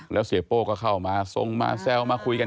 แล้วเสียโป้ก็เข้ามาทรงมาแซวมาคุยกัน